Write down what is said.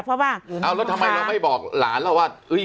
เพราะว่าเอาแล้วทำไมเราไม่บอกหลานเราว่า